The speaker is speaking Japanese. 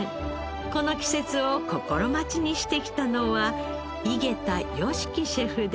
この季節を心待ちにしてきたのは井桁良樹シェフです。